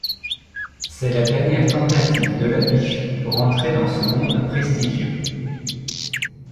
C'est la dernière tentative de Labiche pour entrer dans ce monde prestigieux.